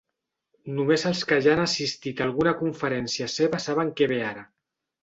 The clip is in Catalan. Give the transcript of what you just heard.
Només els que ja han assistit a alguna conferència seva saben què ve ara.